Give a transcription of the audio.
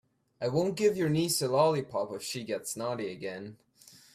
I won't give your niece a lollipop if she gets naughty again.